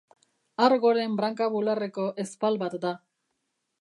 Argoren branka-bularreko ezpal bat da.